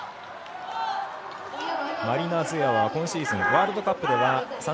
マリナ・ズエワは今シーズンワールドカップでは３０００ｍ